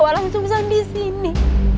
walau langsung saja di sini